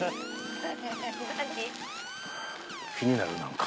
気になるなんか。